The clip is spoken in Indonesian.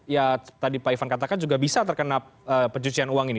ya tadi pak ivan katakan juga bisa terkena pencucian uang ini